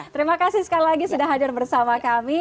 terima kasih sekali lagi sudah hadir bersama kami